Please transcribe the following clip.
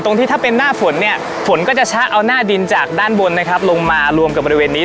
ที่ถ้าเป็นหน้าฝนเนี่ยฝนก็จะชะเอาหน้าดินจากด้านบนนะครับลงมารวมกับบริเวณนี้